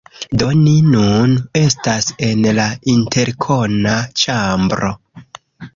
Do, ni nun estas en la interkona ĉambro